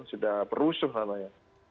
sudah perusuh namanya